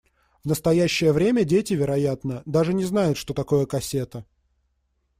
В настоящее время дети, вероятно, даже не знают, что такое кассета.